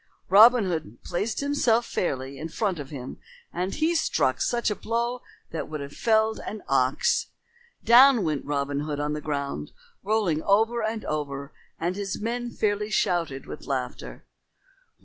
Robin Hood placed himself fairly in front of him and he struck a blow that would have felled an ox. Down went Robin Hood on the ground rolling over and over, and his men fairly shouted with laughter.